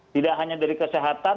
tidak hanya dari kesehatan